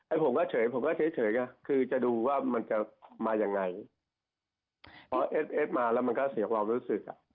ผมก็เฉยผมก็เฉยเฉยก็คือจะดูว่ามันจะมายังไงพอเอฟเอฟมาแล้วมันก็เสียความรู้สึกอ่ะ